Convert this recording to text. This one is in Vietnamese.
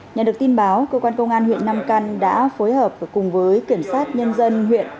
nhận được tin báo cơ quan công an huyện nam căn đã phối hợp cùng với kiểm sát nhân dân huyện